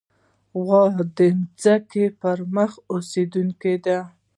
غوا د ځمکې پر مخ اوسېدونکې ده.